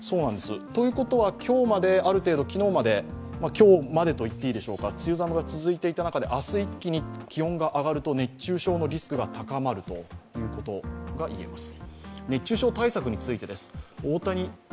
ということは今日までといっていいでしょうか梅雨寒が続いていた中で、明日一気に気温が上がると熱中症のリスクが高まるということが言えます。